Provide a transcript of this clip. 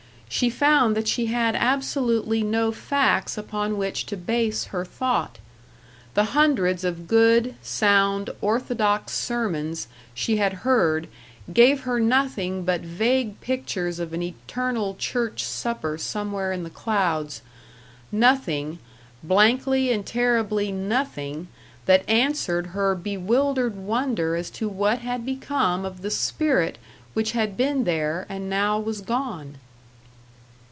She found that she had absolutely no facts upon which to base her thought. The hundreds of good, sound, orthodox sermons she had heard gave her nothing but vague pictures of an eternal church supper somewhere in the clouds nothing, blankly and terribly nothing, that answered her bewildered wonder as to what had become of the spirit which had been there and now was gone.